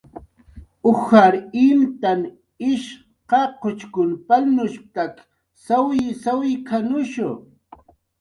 "Ujar imtan ish qachuchkun palnushp""tak sawy sawk""anushu"